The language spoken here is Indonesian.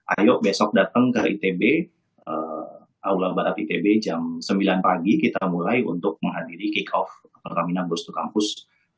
ayo besok datang ke itb aulang batak itb jam sembilan pagi kita mulai untuk menghadiri kick off pertaminaan minami nagus to campus dua ribu dua puluh empat